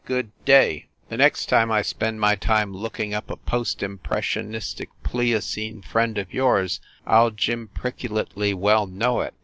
Good day ! The next time I spend my time looking up a post impressionistic, Pliocene friend of yours I ll jimpriculately well know it!"